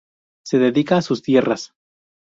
Se dedica a sus tierras.